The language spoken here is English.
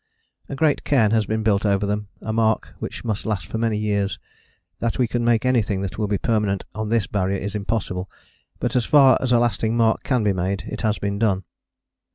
A great cairn has been built over them, a mark which must last for many years. That we can make anything that will be permanent on this Barrier is impossible, but as far as a lasting mark can be made it has been done.